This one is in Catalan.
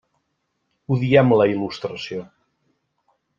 Odiem la il·lustració.